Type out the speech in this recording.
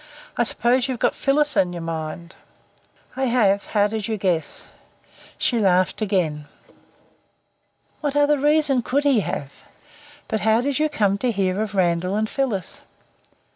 I suppose you've got Phyllis in your mind." "I have. How did you guess?" She laughed again. "What other reason could he have? But how did you come to hear of Randall and Phyllis?"